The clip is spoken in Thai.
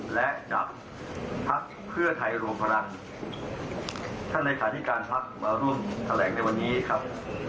และจากภักดิ์เพื่อไทยโรงพลังท่านเหล้าขาดิ์การภักดิ์มาร่วมแถลงในวันนี้ครับ